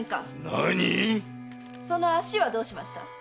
なにい⁉その足はどうしました？